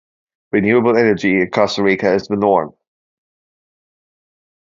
Renewable energy in Costa Rica is the norm.